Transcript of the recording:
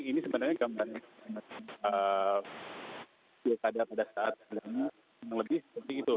ini sebenarnya gambaran pilkada pada saat lebih seperti itu